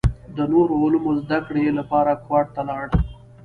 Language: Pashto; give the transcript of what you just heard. د نورو علومو زده کړې لپاره کوهاټ ته لاړ.